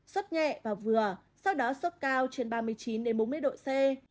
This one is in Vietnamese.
suất nhẹ và vừa sau đó suất cao trên ba mươi chín bốn mươi độ c